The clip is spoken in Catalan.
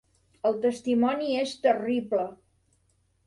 El testimoni és terrible.